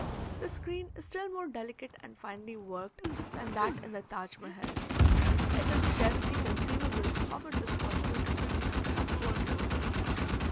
This screen is still more delicate and finely worked than that in the Taj Mehal; it is scarcely conceivable how it was possible to execute such work in stone.